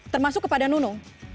termasuk kepada nunung